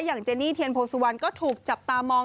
อย่างเจนี่เทียนโพสุวันก็ถูกจับตามอง